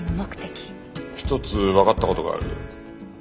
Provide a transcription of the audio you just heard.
一つわかった事がある。